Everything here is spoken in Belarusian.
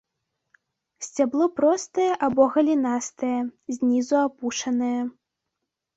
Сцябло простае або галінастае, знізу апушанае.